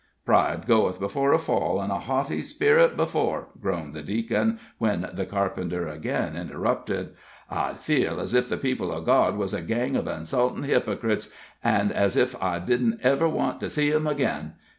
"Pride goeth before a fall, an' a haughty sperit before," groaned the Deacon, when the carpenter again interrupted. "I'd feel as ef the people of God was a gang of insultin' hypocrites, an' ez ef I didn't ever want to see 'em again.